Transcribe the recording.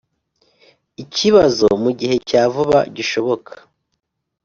ikibazo mu gihe cya vuba gishoboka